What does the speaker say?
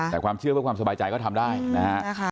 แต่ความเชื่อเพื่อความสบายใจก็ทำได้นะฮะ